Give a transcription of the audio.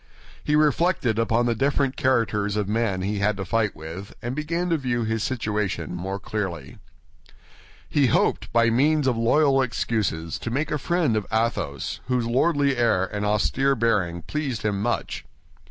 He reflected upon the different characters of those with whom he was going to fight, and began to view his situation more clearly. He hoped, by means of loyal excuses, to make a friend of Athos, whose lordly air and austere bearing pleased him much.